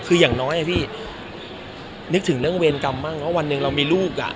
คืออย่างน้อยอะพี่นึกถึงเรื่องเวรกรรมบ้างว่าวันหนึ่งเรามีลูกอ่ะ